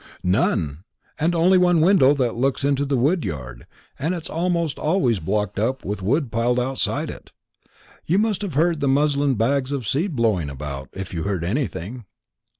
"None; and only one window, that looks into the wood yard, and is almost always blocked up with the wood piled outside it. You must have heard the muslin bags of seed blowing about, if you heard anything."